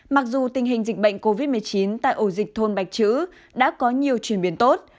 mặc dù tình hình dịch bệnh covid một mươi chín tại ổ dịch thôn bạch chữ đã có nhiều chuyển biến tốt